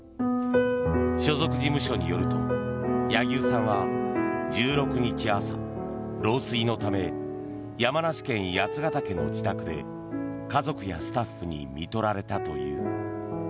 所属事務所によると柳生さんは１６日朝老衰のため山梨県・八ケ岳の自宅で家族やスタッフにみとられたという。